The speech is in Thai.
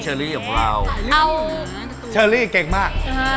การ์ตูนนี่หมอเพื่อนนี่เก่งมาก